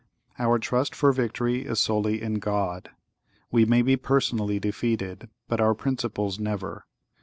(¶ 42) Our trust for victory is solely in God. We may be personally defeated, but our principles never.